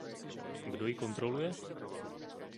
Kdo ji kontroluje?